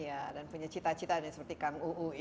ya dan punya cita cita seperti kang uu